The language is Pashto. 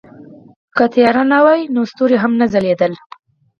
که تیاره نه وي نو ستوري هم نه شي ځلېدلی.